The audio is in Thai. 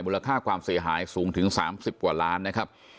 ราคาความเสียหายสูงถึง๓๐กว่าล้านนะครับ